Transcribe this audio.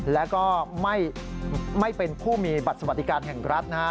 แล้วก็ไม่เป็นผู้มีบัตรสวัสดิการแห่งรัฐนะฮะ